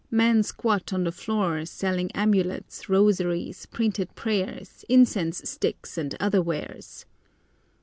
Men squat on the floor selling amulets, rosaries, printed prayers, incense sticks, and other wares.